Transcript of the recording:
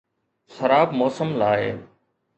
خراب موسم لاء